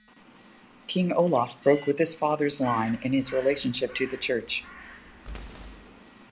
King Olaf broke with his father's line in his relationship to the church.